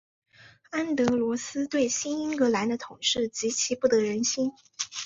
安德罗斯对新英格兰的统治极其不得人心。